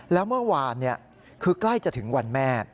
แล้วเมื่อวานคือใกล้จะถึงวันแม่